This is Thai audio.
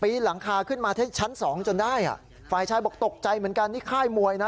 หลังคาขึ้นมาที่ชั้นสองจนได้อ่ะฝ่ายชายบอกตกใจเหมือนกันนี่ค่ายมวยนะ